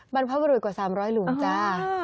บรรพบุรุษกว่า๓๐๐หลุมจ้า